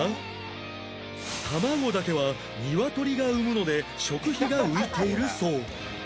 卵だけは鶏が産むので食費が浮いているそう